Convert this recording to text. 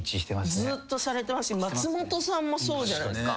ずっとされてますし松本さんもそうじゃないですか。